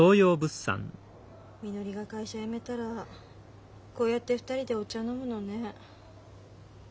みのりが会社辞めたらこうやって２人でお茶飲むのね。